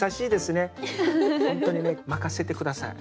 本当にね任せて下さい！